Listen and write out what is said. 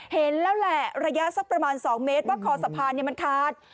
เห็นแล้วแหละระยะสักประมาณ๒เมตรว่าคอสะพานมันขาด